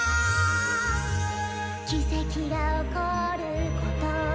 「奇跡がおこること」